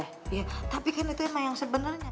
iya tapi kan itu emang yang sebenarnya